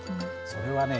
それはね